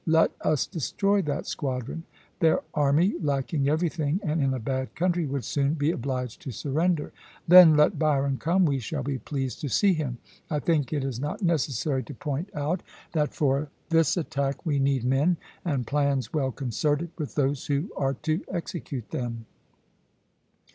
Let us destroy that squadron; their army, lacking everything and in a bad country, would soon be obliged to surrender. Then let Byron come, we shall be pleased to see him. I think it is not necessary to point out that for this attack we need men and plans well concerted with those who are to execute them."